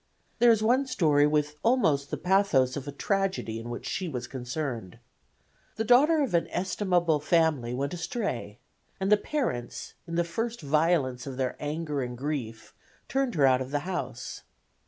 There was one story with almost the pathos of a tragedy in which she was concerned. The daughter of an estimable family went astray, and the parents in the first violence of their anger and grief turned her out of the house.